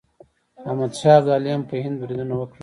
احمد شاه ابدالي هم په هند بریدونه وکړل.